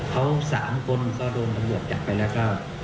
เขา๓คนเขาโดนอันบวกจับไปแล้วก็